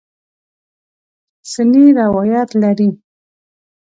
سنې روایت لري.